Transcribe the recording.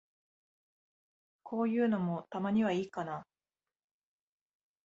こういうのも、たまにはいいかな。